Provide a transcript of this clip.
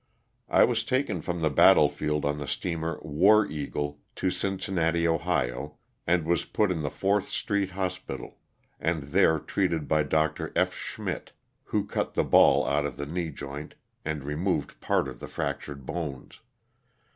I was taken from the battle field on the steamer ^^ War Eagle " to Cincinnati, Ohio, and was put in the Fourth Street Hospital, and there treated by Dr. F. Schmidt, who cut the ball out of the knee joint and removed part of the fractured bones.